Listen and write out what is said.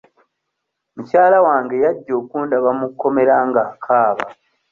Mukyala wange yajja okundaba mu kkomera ng'akaaba.